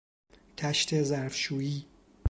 تشت ظرفشویی